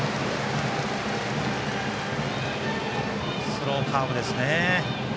スローカーブですね。